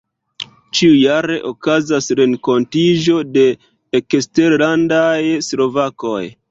Ĉiujare okazas renkontiĝo de eksterlandaj slovakoj.